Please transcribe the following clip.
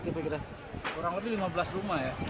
kurang lebih lima belas rumah ya